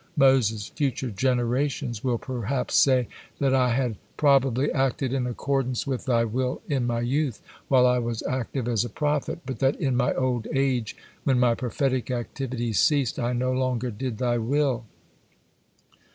'" Moses: "Future generations will perhaps say that I had probably acted in accordance with Thy will in my youth, while I was active as a prophet, but that in my old age, when my prophetic activities ceased, I no longer did Thy will."